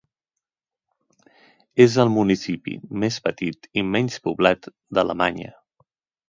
És el municipi més petit i menys poblat d'Alemanya.